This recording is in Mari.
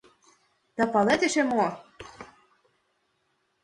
— Да палет эше мо?